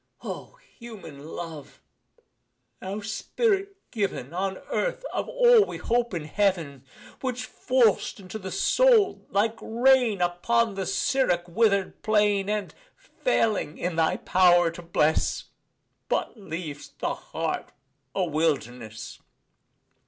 O, human love! thou spirit given, On Earth, of all we hope in Heaven! Which fall'st into the soul like rain Upon the Siroc wither'd plain, And, failing in thy power to bless, But leav'st the heart a wilderness!